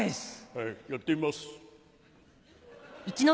はいやってみます。